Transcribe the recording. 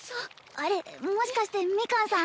あれっもしかしてミカンさん？